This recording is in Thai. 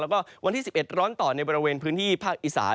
แล้วก็วันที่๑๑ร้อนต่อในบริเวณพื้นที่ภาคอีสาน